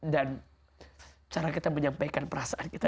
dan cara kita menyampaikan perasaan kita